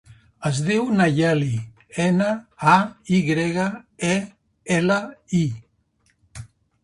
Es diu Nayeli: ena, a, i grega, e, ela, i.